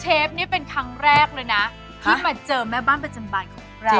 เชฟนี่เป็นครั้งแรกเลยนะที่มาเจอแม่บ้านประจำบานของเรา